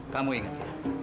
kamu ingat ya